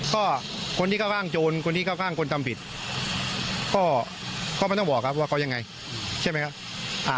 ก็คนที่เข้าข้างโจรคนที่เข้าข้างคนทำผิดก็ไม่ต้องบอกครับว่าเขายังไงใช่ไหมครับ